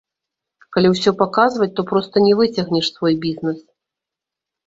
Калі ўсё паказваць, то проста не выцягнеш свой бізнес.